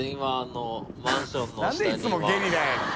なんでいつもゲリラやねん。